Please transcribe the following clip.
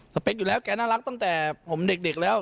เปคอยู่แล้วแกน่ารักตั้งแต่ผมเด็กแล้ว